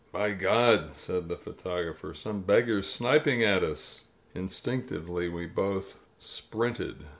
By God," said the photographer. "Some beggar's sniping at us.'' Instinctively we both sprinted.